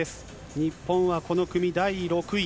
日本はこの組第６位。